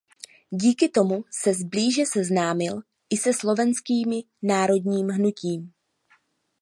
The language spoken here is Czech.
Díky tomu se blíže seznámil i se slovenskými národním hnutím.